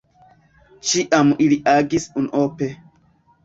Ĉiam ili agis unuope.